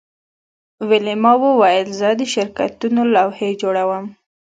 ویلما وویل زه د شرکتونو لوحې جوړوم